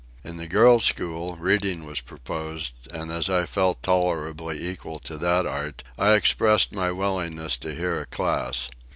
In the girls' school, reading was proposed; and as I felt tolerably equal to that art, I expressed my willingness to hear a class.